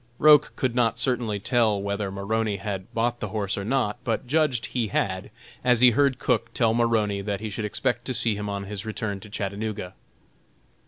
Roch could not certainly tell whether Maroney had bought the horse or not, but judged he had, as he heard Cook tell Maroney that he should expect to see him on his return to Chattanooga.